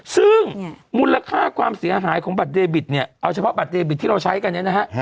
ซึ่งมูลค่าความเสียหายของบัตรเดบิตเนี่ยเอาเฉพาะบัตรเดบิตที่เราใช้กันเนี่ยนะฮะ